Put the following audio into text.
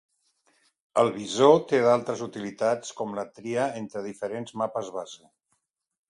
El visor té d'altres utilitats com la tria entre diferents mapes base.